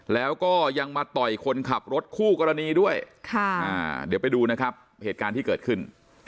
แล้วก็ยังมาต่อยคนขับรถคู่กรณีด้วยเดี๋ยวไปดูนะครับเหตุการณ์ที่เกิดขึ้น